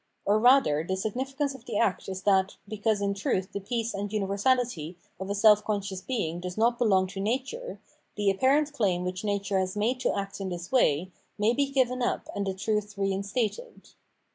Or rather the significance of the act is that, because in truth the peace and universahty of a self conscious being does not belong to nature, the apparent claim which nature has made to act in this way, may be given up and the truth reinstated.